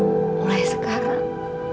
makanya mulai sekarang